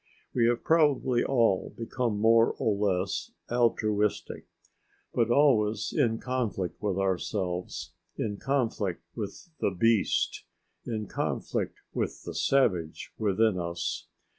We have probably all become more or less altruistic. But always in conflict with ourselves, in conflict with the beast, in conflict with the savage within us.